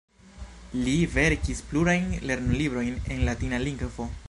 Li verkis plurajn lernolibrojn en latina lingvo.